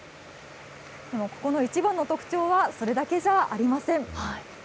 ここのいちばんの特徴は、それだけじゃありません。